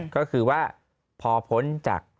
ก็คือว่าพอพ้นจาก